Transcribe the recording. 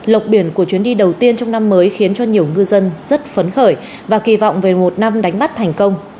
lộc biển của chuyến đi đầu tiên trong năm mới khiến cho nhiều ngư dân rất phấn khởi và kỳ vọng về một năm đánh bắt thành công